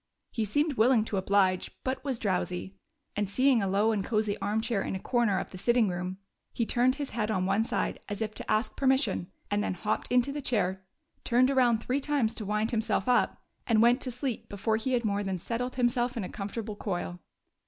He seemed willing to oblige, but was drowsy; and, seeing a low and cosy armchair in a corner of the sitting room, he turned his head on one side as if to ask permission, and then hopped into the chair, turned around three times to wind himself up, 52 THE GYPSY DOG FINDS A NEW HOME and went to sleep before lie had more than settled himself in a comfortable coil.